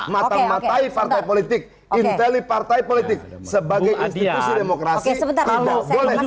matahari partai politik inteli partai politik sebagai adian demokrasi sebentar kalau boleh